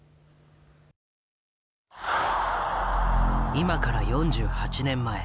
今から４８年前。